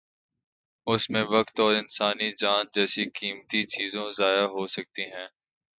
اس میں وقت اور انسانی جان جیسی قیمتی چیزوں ضائع ہو جاتی ہیں۔